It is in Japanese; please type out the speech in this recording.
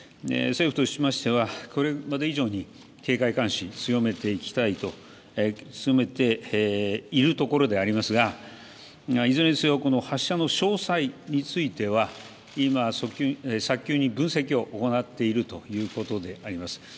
政府としましては今まで以上に警戒、監視を強めているところでありますがいずれにせよ発射の詳細については今、早急に分析を行っているということであります。